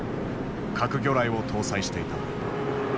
核魚雷を搭載していた。